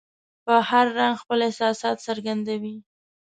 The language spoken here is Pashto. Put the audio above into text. په هر رنګ خپل احساسات څرګندوي.